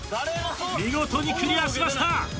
見事にクリアしました。